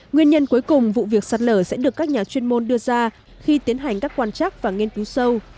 nguyên nhân cuối cùng vụ việc sạt lở sẽ được các nhà chuyên môn đưa ra khi tiến hành các quan chắc và nghiên cứu sâu